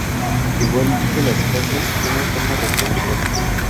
Igual que las casas, tiene forma rectangular.